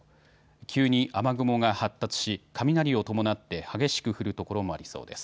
急に雨雲が発達し、雷を伴って激しく降る所もありそうです。